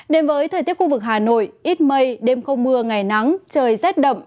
đến với thời tiết khu vực hà nội ít mây đêm không mưa ngày nắng trời rét đậm